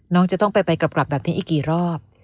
น้องจะต้องไปกลับแบบนี้อีกกี่รอบ